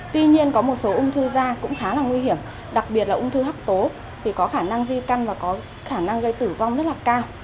tuy nhiên có một số ung thư da cũng khá là nguy hiểm đặc biệt là ung thư hấp tố thì có khả năng di căn và có khả năng gây tử vong rất là cao